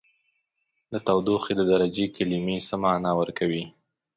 د تودوخې د درجې کلمه څه معنا ورکوي؟